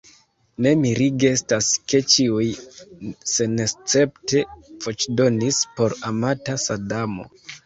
Ne mirige estas, ke ĉiuj senescepte voĉdonis por amata Sadamo!